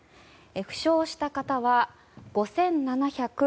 負傷した方は５７６９人。